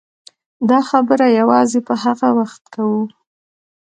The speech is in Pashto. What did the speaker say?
دا خبره یوازې په هغه وخت کوو.